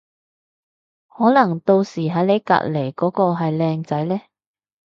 可能到時喺你隔離嗰個係靚仔呢